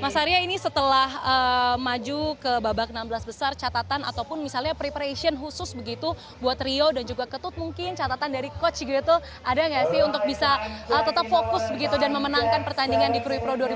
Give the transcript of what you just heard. mas arya ini setelah maju ke babak enam belas besar catatan ataupun misalnya preparation khusus begitu buat rio dan juga ketut mungkin catatan dari coach greathle ada nggak sih untuk bisa tetap fokus begitu dan memenangkan pertandingan di krui pro dua ribu tujuh belas